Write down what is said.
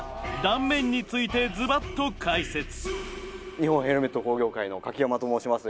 日本ヘルメット工業会の柿山と申します。